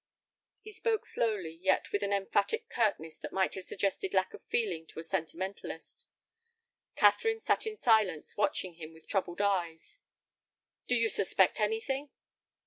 He spoke slowly, yet with an emphatic curtness that might have suggested lack of feeling to a sentimentalist. Catherine sat in silence, watching him with troubled eyes. "Do you suspect anything?"